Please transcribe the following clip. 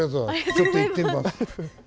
ちょっと行ってみます。